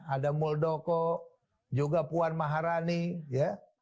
ada muldoko juga puan maharani ya